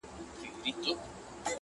• زه پر خپل ځان خپله سایه ستایمه,